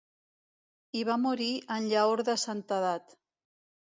Hi va morir en llaor de santedat.